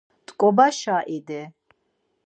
T̆ǩobaşa idi.